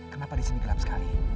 kenapa di sini gelap sekali